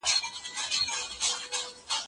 ميرمن د خاوند د اجازې پرته هم جهاد ته تللای سي.